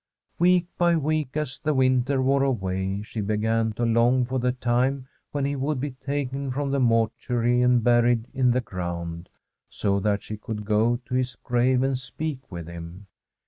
Week by week, as the winter wore away, she began to long for the time when he would be taken from the mortuary and buried in the ground, so that she could go to his grave and speak with him.